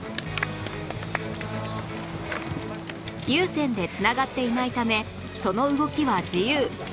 有線で繋がっていないためその動きは自由